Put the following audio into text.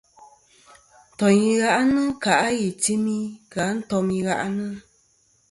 Ntoyn i gha'nɨ kà' a i timi kɨ a ntom i gha'nɨ.